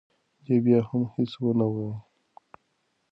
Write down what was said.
دې بیا هم هیڅ ونه ویل.